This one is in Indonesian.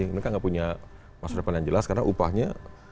mereka nggak punya masa depan yang jelas karena upahnya